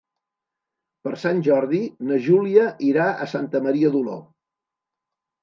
Per Sant Jordi na Júlia irà a Santa Maria d'Oló.